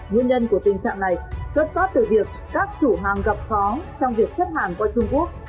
nguyên nhân của tình trạng này xuất phát từ việc các chủ hàng gặp khó trong việc xếp hàng qua trung quốc